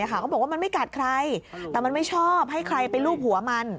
เขาบอกว่ามันไม่กัดใครแต่มันไม่ชอบให้ใครไปลูบหัวมัน